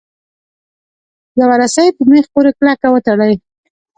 یوه رسۍ په میخ پورې کلکه وتړئ.